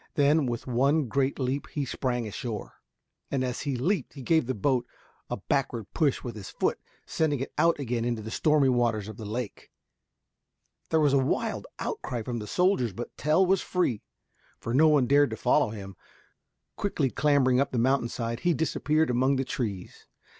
Then with one great leap he sprang ashore, and as he leaped he gave the boat a backward push with his foot, sending it out again into the stormy waters of the lake. There was a wild outcry from the sailors, but Tell was free, for no one dared to follow him. Quickly clambering up the mountain side, he disappeared among the trees.